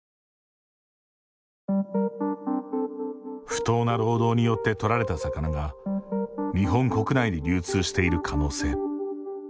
不当な労働によって取られた魚が日本国内に流通している可能性。